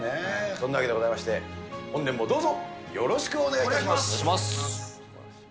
そんなわけでございまして、本年もどうぞよろしくお願いいたします。